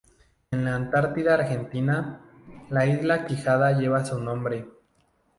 En la Antártida Argentina, la isla Quijada lleva su nombre.